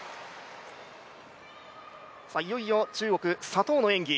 いよいよ中国左トウの演技。